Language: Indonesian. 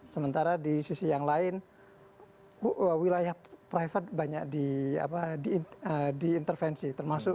sementara di sisi yang lain wilayah private banyak diintervensi